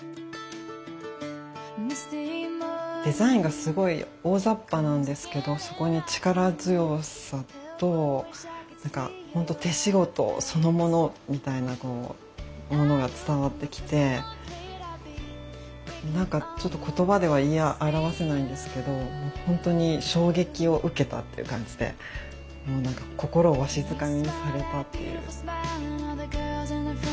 デザインがすごい大ざっぱなんですけどそこに力強さとなんかほんと手仕事そのものみたいなこうものが伝わってきてなんかちょっと言葉では言い表せないんですけどもう本当に衝撃を受けたっていう感じでもう何か心をわしづかみにされたっていう。